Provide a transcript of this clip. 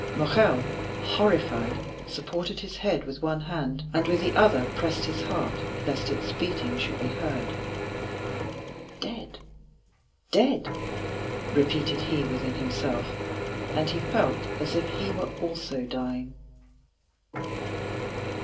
Morrel, horrified, supported his head with one hand, and with the other pressed his heart, lest its beatings should be heard. "Dead, dead!" repeated he within himself; and he felt as if he were also dying.